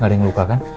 gak ada yang ngelukakan